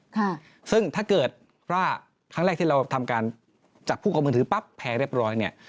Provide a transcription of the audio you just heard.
ค่ะซึ่งถ้าเกิดว่าครั้งแรกที่เราทำการจับผู้เอามือถือปั๊บแพ้เรียบร้อยเนี่ย